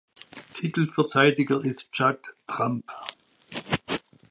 Titelverteidiger ist Judd Trump.